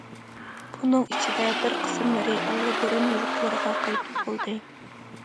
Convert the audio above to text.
بۇنىڭ ئىچىدە بىر قىسىملىرى ئاللىبۇرۇن يۇرتلىرىغا قايتىپ بولدى.